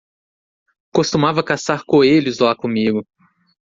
Costumava caçar coelhos lá comigo.